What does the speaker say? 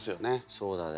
そうだね。